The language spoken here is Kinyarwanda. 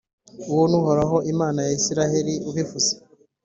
Uwo ni Uhoraho Imana ya Israheli ubivuze.